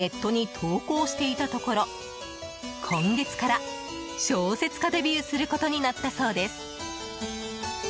３年前から趣味で小説を書きネットに投稿していたところ今月から小説家デビューすることになったそうです。